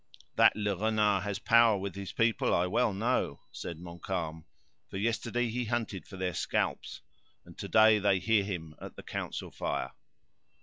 "That Le Renard has power with his people, I well know," said Montcalm; "for yesterday he hunted for their scalps, and to day they hear him at the council fire."